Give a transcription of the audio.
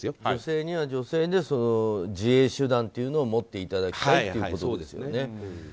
女性には女性で自衛手段というのを持っていただきたいということですよね。